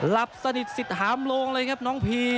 หลับสนิทสิทธิหามโลงเลยครับน้องพี